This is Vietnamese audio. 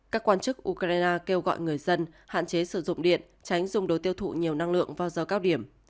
các quan chức ukraine kêu gọi người dân hạn chế sử dụng điện tránh dùng đồ tiêu thụ nhiều năng lượng vào giờ cao điểm